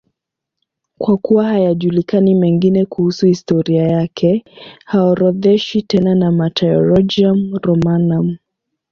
Kwa kuwa hayajulikani mengine kuhusu historia yake, haorodheshwi tena na Martyrologium Romanum.